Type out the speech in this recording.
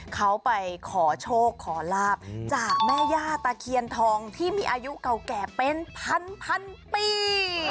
เขาไปขอโชคขอลาบจากแม่ย่าตะเคียนทองที่มีอายุเก่าแก่เป็นพันปี